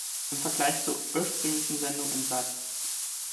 Im Vergleich zur ursprünglichen Sendung in Sat.